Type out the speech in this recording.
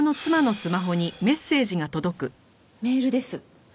メールです。